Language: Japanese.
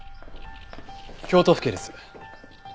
京都府警です。